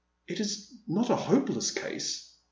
" It is not a hopeless case